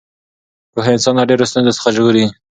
پوهه انسان له ډېرو ستونزو څخه ژغوري.